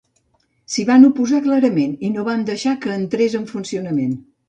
S'hi van oposar clarament i no van deixar que entrés en funcionament.